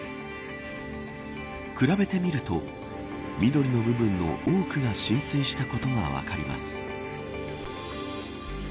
比べてみると緑の部分の多くが浸水したことが分かります。